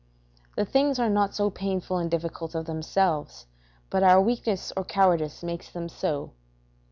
The things are not so painful and difficult of themselves, but our weakness or cowardice makes them so.